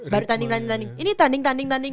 baru tanding tanding ini tanding tanding tanding